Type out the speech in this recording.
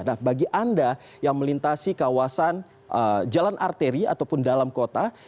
nah bagi anda yang melintasi kawasan jalan arteri ataupun dalam kota